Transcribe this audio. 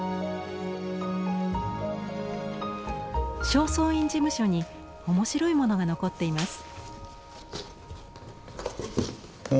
正倉院事務所に面白いものが残っています。